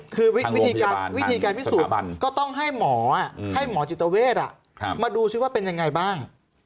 คือวิธีการพิสูจน์ก็ต้องให้หมอให้หมอจิตเวทมาดูซิว่าเป็นยังไงบ้าง